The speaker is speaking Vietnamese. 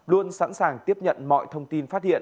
luôn sẵn sàng tiếp nhận mọi thông tin phát hiện